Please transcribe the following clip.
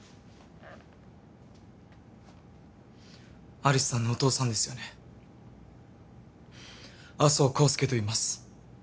有栖さんのお父さんですよね麻生康介といいます